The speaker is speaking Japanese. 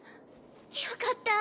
よかったぁ。